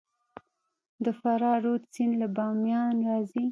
د فراه رود سیند له بامیان راځي